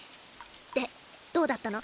でどうだったの？